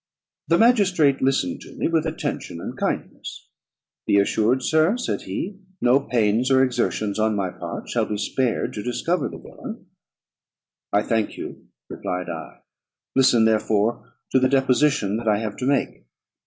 The magistrate listened to me with attention and kindness: "Be assured, sir," said he, "no pains or exertions on my part shall be spared to discover the villain." "I thank you," replied I; "listen, therefore, to the deposition that I have to make.